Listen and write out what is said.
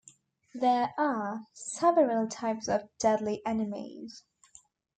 There are several types of deadly enemies.